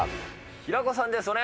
平子さんです。